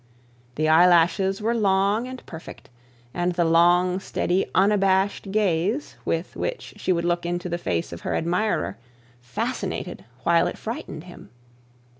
The eyelashes were long and perfect, and the long steady unabashed gaze, with which she would look into the face of her admirer, fascinated while it frightened him.